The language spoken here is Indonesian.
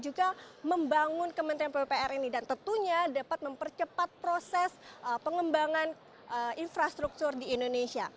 terima kasih anda juga membangun kementerian pppr ini dan tentunya dapat mempercepat proses pengembangan infrastruktur di indonesia